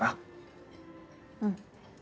うん。